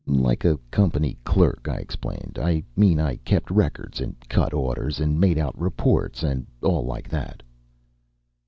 "Like a company clerk," I explained. "I mean I kept records and cut orders and made out reports and all like that."